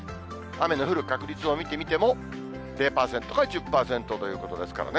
雨の降る確率を見てみても、０％から１０％ということですからね。